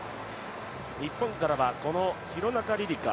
日本からはこの廣中璃梨佳